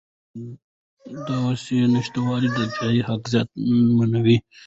د دوسیې نشتوالی د دفاع حق زیانمنوي.